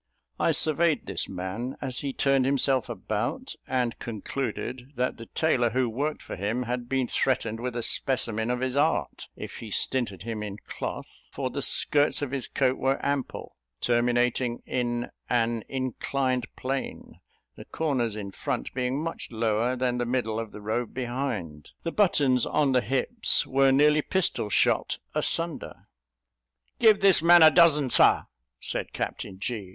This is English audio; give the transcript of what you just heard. I surveyed this man, as he turned himself about, and concluded, that the tailor who worked for him had been threatened with a specimen of his art, if he stinted him in cloth; for the skirts of his coat were ample, terminating in an inclined plane, the corners in front being much lower than the middle of the robe behind; the buttons on the hips were nearly pistol shot asunder. "Give this man a dozen, Sir," said Captain G.